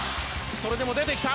それでも出てきた。